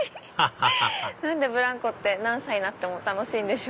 ハハハハ何でブランコって何歳になっても楽しいんでしょ？